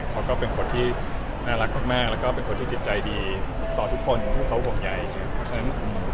เขาก็เป็นคนที่น่ารักมากและเป็นคนที่มีจิตใจดีต่อทุกคน